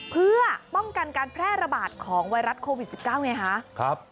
เพื่อป้องกันการแพร่ระบาดของไวรัสโควิด๑๙ไงคะ